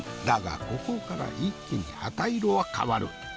だがここから一気に旗色は変わる。